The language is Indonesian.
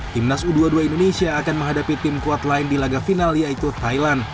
timnas u dua puluh dua indonesia akan menghadapi tim kuat lain di laga final yaitu thailand